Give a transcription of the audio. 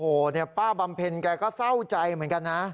โอ้โหเนี่ยป้าบำเพ็ญแกก็เศร้าใจเหมือนกันนะ